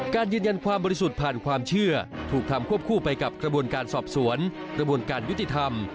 ยืนยันความบริสุทธิ์ผ่านความเชื่อถูกทำควบคู่ไปกับกระบวนการสอบสวนกระบวนการยุติธรรม